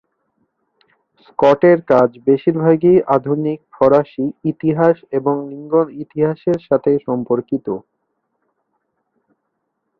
Scott এর কাজ বেশিরভাগই আধুনিক ফরাসি ইতিহাস এবং লিঙ্গ ইতিহাসের সাথে সম্পর্কিত।